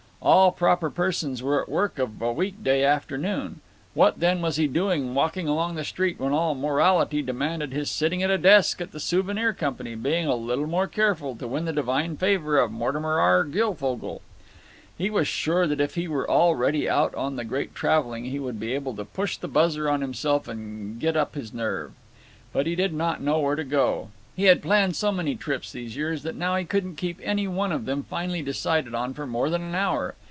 All proper persons were at work of a week day afternoon. What, then, was he doing walking along the street when all morality demanded his sitting at a desk at the Souvenir Company, being a little more careful, to win the divine favor of Mortimer R. Guilfogle? He was sure that if he were already out on the Great Traveling he would be able to "push the buzzer on himself and get up his nerve." But he did not know where to go. He had planned so many trips these years that now he couldn't keep any one of them finally decided on for more than an hour.